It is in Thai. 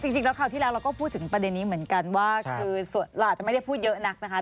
จริงแล้วคราวที่แล้วเราก็พูดถึงประเด็นนี้เหมือนกันว่าคือเราอาจจะไม่ได้พูดเยอะนักนะคะ